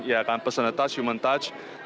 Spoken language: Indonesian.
ya kan personal touch human touch